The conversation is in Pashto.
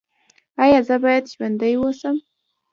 ایا زه باید ژوندی اوسم؟